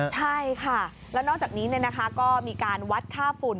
ใช่ค่ะแล้วนอกจากนี้ก็มีการวัดค่าฝุ่น